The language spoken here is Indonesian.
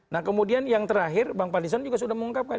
nah kemudian yang terakhir bang fadlison juga sudah mengungkapkan